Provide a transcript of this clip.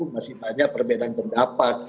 masih banyak perbedaan pendapat